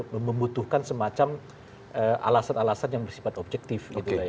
membutuhkan semacam alasan alasan yang bersifat objektif